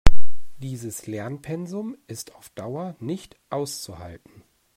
Dieses Lernpensum ist auf Dauer nicht auszuhalten.